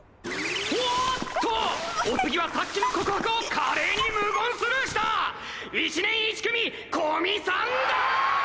おっとお次はさっきの告白を華麗に無言スルーした１年１組古見さんだ！